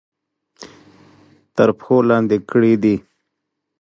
تر پښو لاندې کړي دي.